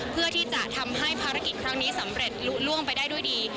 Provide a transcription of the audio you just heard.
เพื่อที่จะทำให้ภารกิจครั้งนี้สำเร็จลุล่วงไปได้ด้วยดี